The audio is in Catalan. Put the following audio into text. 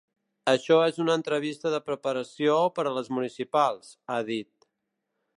Això és una entrevista de preparació per a les municipals, ha dit.